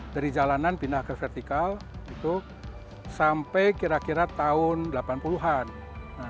dari jalanan pindah ke vertikal itu sampai kira kira tahun delapan puluh an